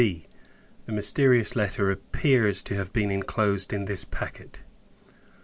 B. The Mysterious Letter appears to have been inclosed in this Packet_.